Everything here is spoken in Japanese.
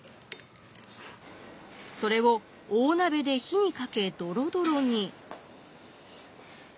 それを大鍋で火にかけドロドロに。